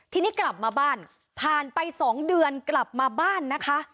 ทีนี้กลับมาบ้านผ่านไป๒เดือนกลับมาบ้านนะคะ